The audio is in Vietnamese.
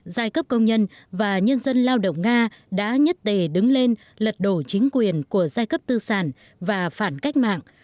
giai cấp công nhân và nhân dân lao động nga đã nhất tề đứng lên lật đổ chính quyền của giai cấp tư sản và phản cách mạng